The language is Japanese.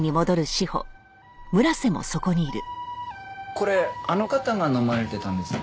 これあの方が飲まれてたんですか？